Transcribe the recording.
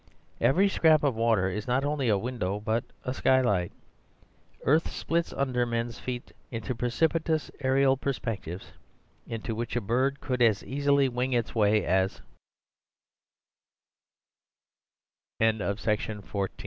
Every scrap of water is not only a window but a skylight. Earth splits under men's feet into precipitous aerial perspectives, into which a bird could as easily wing its way as—" Dr. Cyrus Pym rose i